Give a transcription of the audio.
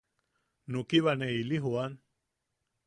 Nukiba ne ili jooan.